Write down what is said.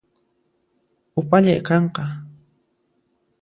Upallay qanqa